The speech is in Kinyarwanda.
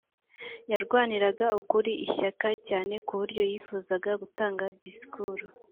yarwaniraga ukuri ishyaka cyane ku buryo yifuzaga gutanga disikuru